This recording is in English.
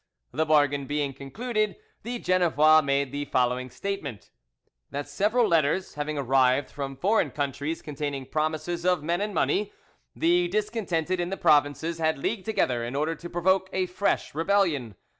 The bargain being concluded, the Genevois made the following statement: "That several letters having arrived from foreign countries containing promises of men and money, the discontented in the provinces had leagued together in order to provoke a fresh rebellion.